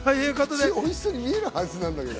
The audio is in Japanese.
普通、おいしそうに見えるはずなんだけど。